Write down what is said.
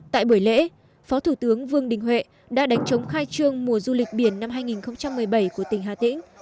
tại buổi lễ phó thủ tướng vương đình huệ đã đánh chống khai trương mùa du lịch biển năm hai nghìn một mươi bảy của tỉnh hà tĩnh